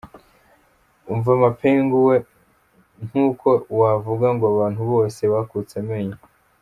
Umva mapengu we,n nkuko wavuga ngo abantu bose bakutse amenyo.